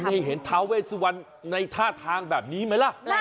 คุณให้เห็นทาวเวสุวรรณในท่าทางแบบนี้ไหมล่ะ